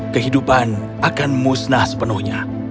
kehidupan akan musnah sepenuhnya